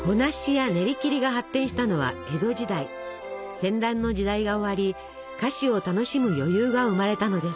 戦乱の時代が終わり菓子を楽しむ余裕が生まれたのです。